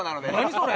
それ。